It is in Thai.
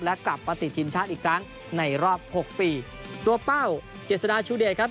และกลับมาติดทีมชาติอีกครั้งในรอบหกปีตัวเป้าเจษฎาชูเดชครับ